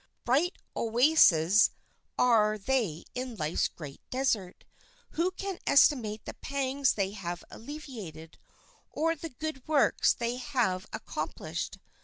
Bright oases are they in life's great desert. Who can estimate the pangs they have alleviated, or the good works they have accomplished?